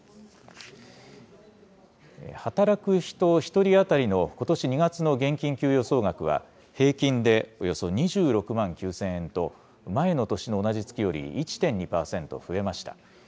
働く人１人当たりのことし２月の現金給与総額は平均でおよそ２６万９０００円と、前の年の同じ月より１．２％増えました。